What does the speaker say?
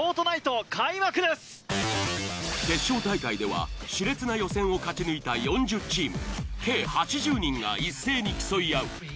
決勝大会では熾烈な予選を勝ち抜いた４０チーム計８０人が一斉に競い合う。